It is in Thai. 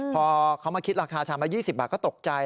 พอเขามาคิดราคาชามละ๒๐บาทก็ตกใจ